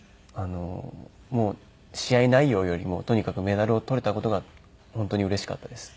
もう試合内容よりもとにかくメダルを取れた事が本当にうれしかったです。